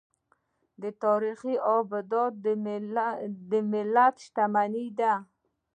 تاریخي ابدات د ملت شتمني ده.